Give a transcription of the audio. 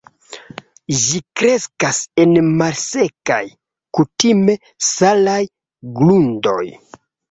Ĝi kreskas en malsekaj, kutime salaj grundoj.